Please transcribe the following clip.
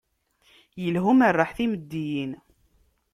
Ilha umerreḥ timeddiyin.